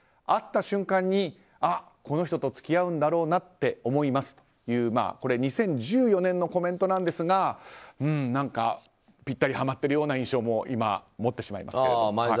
会った瞬間にあ、この人と付き合うんだろうなって思いますという２０１４年のコメントなんですが何かぴったりはまってるような印象も今、持ってしまいますけれども。